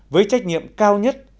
với trách nhiệm cao nhất